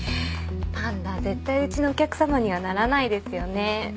パンダ絶対うちのお客さまにはならないですよね。